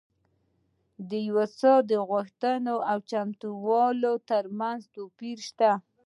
د یو څه د غوښتلو او چمتووالي ترمنځ توپیر شته